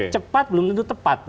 cepat belum tentu tepat